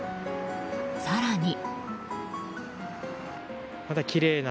更に。